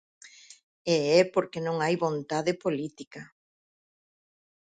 E é porque non hai vontade política.